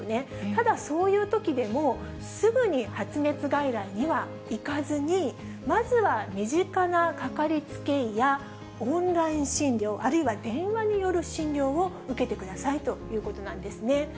ただ、そういうときでも、すぐに発熱外来には行かずに、まずは身近なかかりつけ医や、オンライン診療、あるいは電話による診療を受けてくださいということなんですね。